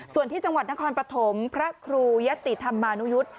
ส่วนที่จังหวัดนครปฐมพระครูยะติธรรมานุยุทธ์